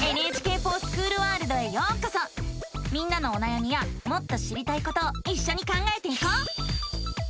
みんなのおなやみやもっと知りたいことをいっしょに考えていこう！